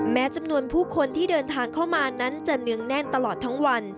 แม้จำนวนผู้คนที่เดินทางเข้ามานั้นจะเนื้องแน่นตลอดทั้งวัน